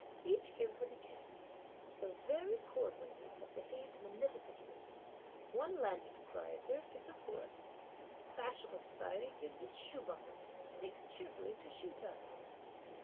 Each gives what he can: the very cordwainers have behaved munificently; one landed proprietor gives a forest; fashionable society gives its shoebuckles, takes cheerfully to shoe ties.